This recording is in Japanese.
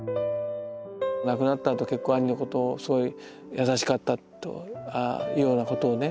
亡くなったあと結構兄のことをすごい優しかったというようなことをね